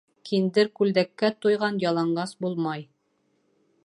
Киндер күлдәккә туйған яланғас булмай.